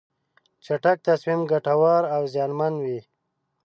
چټک تصمیم ګټور او زیانمن وي.